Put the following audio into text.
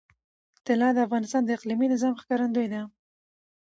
طلا د افغانستان د اقلیمي نظام ښکارندوی ده.